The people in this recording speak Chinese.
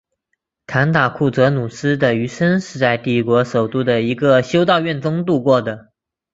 坎塔库泽努斯的余生是在帝国首都的一个修道院中度过的。